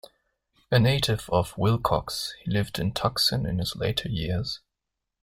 A native of Willcox, he lived in Tucson in his later years.